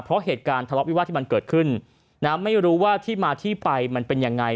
เพราะเหตุการณ์ทะเลาะวิวาสที่มันเกิดขึ้นนะไม่รู้ว่าที่มาที่ไปมันเป็นยังไง